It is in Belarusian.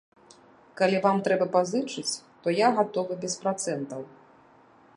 Калі вам трэба пазычыць, то я гатовы без працэнтаў.